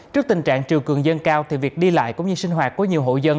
trước tình trạng triều cường dân cao thì việc đi lại cũng như sinh hoạt của nhiều hộ dân